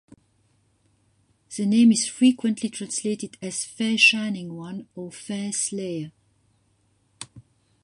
The name is frequently translated as 'fair shining one' or 'fair slayer'.